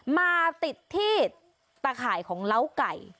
มาติดที่ตะข่ายของเล้าไก่